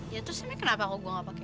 ya terus emang kenapa aku nggak pake